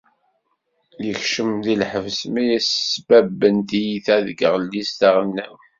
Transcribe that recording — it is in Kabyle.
Yekcem di lḥebs mi as-sbabben tiyita deg tɣellist taɣelnawt.